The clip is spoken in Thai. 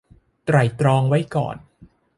ไตร่ตรองไว้ก่อน